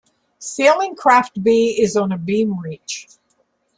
Sailing craft B is on a beam reach.